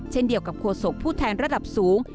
เช่นเดียวกับโฆษกผู้แทนระดับสูง